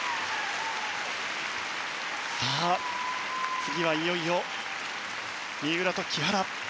次はいよいよ三浦と木原。